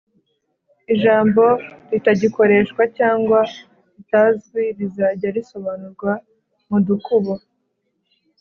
ijambo ritagikoreshwa cg ritazwi rizajya risobanurwa mudukubo